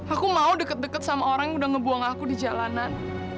aku mau deket deket sama orang yang udah ngebuang aku di jalanan